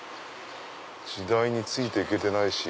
時代について行けてないし。